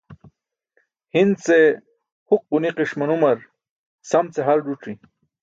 Hi̇n ce huk ġuni̇ki̇ṣ manumar sam ce hal ẓuc̣i̇.